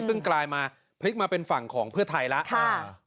ซึ่งกลายมาพลิกมาเป็นฝั่งของเพื่อไทยแล้ว